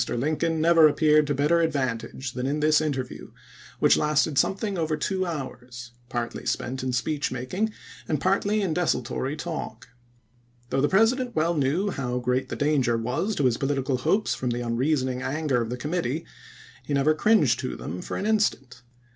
Lincoln never ap peared to better advantage than in this interview, which lasted something over two hours, partly spent in speech making and partly in desultory talk. Though the President well knew how great the danger was to his political hopes from the un reasoning anger of the committee, he never cringed to them for an instant.